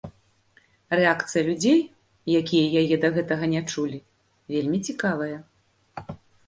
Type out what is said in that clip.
Рэакцыя людзей, якія яе да гэтага не чулі, вельмі цікавая.